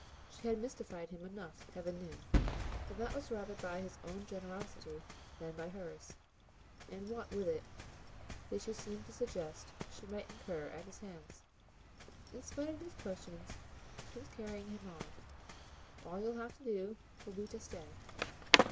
She had mystified him enough, heaven knew, but that was rather by his own generosity than by hers. And what, with it, did she seem to suggest she might incur at his hands? In spite of these questions she was carrying him on. "All you'll have to do will be to stay."